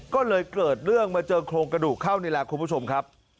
ก็เลยเกิดเรื่องมาเจอโครงกระดูกเข้านี่แหละคุณผู้ชมครับ